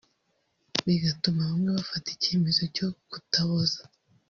bigatuma bamwe bafata icyemezo cyo kutaboza